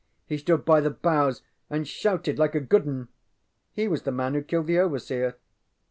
He stood by the bows and shouted like a good ŌĆśun. He was the man who killed the overseer.